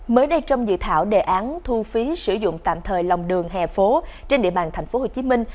mới đây trong dự thảo đề án thu phí sử dụng tạm thời lòng đường hè phố trên địa bàn thành phố hồ chí minh